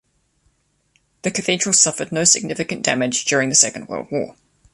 The cathedral suffered no significant damage during the Second World War.